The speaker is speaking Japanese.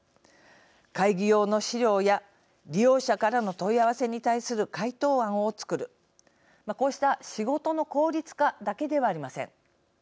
会議用の資料や利用者からの問い合わせに対する回答案を作るこうした仕事の効率化だけではありません。